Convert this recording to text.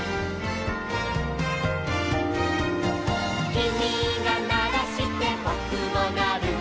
「きみがならしてぼくもなる」